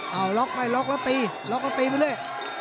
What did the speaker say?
เอาล็อกไปล็อกแล้วตีล็อกแล้วตีไปเรื่อย